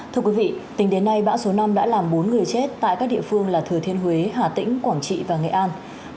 thưa quý vị tính đến nay bão số năm đã làm bốn người chết tại các địa phương là thừa thiên huế hà tĩnh quảng trị và nghệ an